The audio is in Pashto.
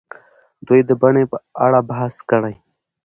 دوی د بڼې په اړه بحث کړی.